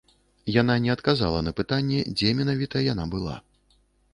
Яна не адказала на пытанне, дзе менавіта яна была.